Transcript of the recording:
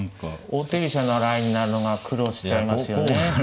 王手飛車のラインになるのが苦労しちゃいますよね。